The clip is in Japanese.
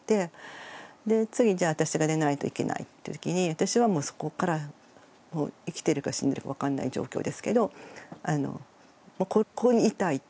次じゃあ私が出ないといけないっていうときに私はもうそこからもう生きてるか死んでるか分かんない状況ですけどここにいたいと。